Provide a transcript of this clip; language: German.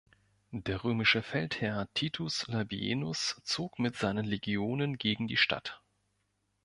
Der römische Feldherr Titus Labienus zog mit seinen Legionen gegen die Stadt.